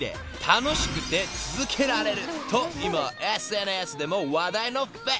楽しくて続けられると今ＳＮＳでも話題のフィットネス］